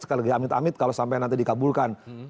sekali lagi amit amit kalau sampai nanti dikabulkan